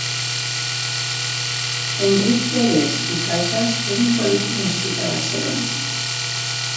Enric Pérez i Casas és un polític nascut a Barcelona.